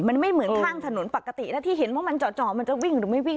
มันไม่เหมือนข้างถนนปกติแล้วที่เห็นว่ามันจ่อมันจะวิ่งหรือไม่วิ่ง